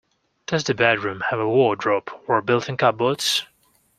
Does the bedroom have a wardrobe, or built-in cupboards?